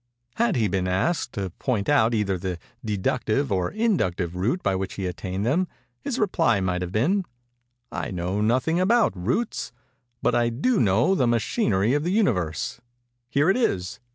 Had he been asked to point out either the _de_ductive or _in_ductive route by which he attained them, his reply might have been—'I know nothing about routes—but I do know the machinery of the Universe. Here it is.